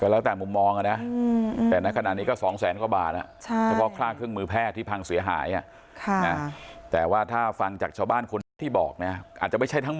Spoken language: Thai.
ก็แล้วแต่มุมมองอ่ะนะแต่นั้นขนาดนี้ก็สองแสนกว่าบาทอ่ะ